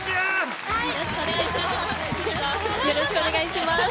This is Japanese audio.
よろしくお願いします。